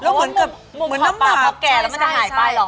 แล้วเหมือนกับมุมขอบปากเกลียวมันจะหายไป